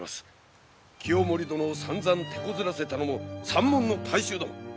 清盛殿をさんざんてこずらせたのも山門の大衆ども。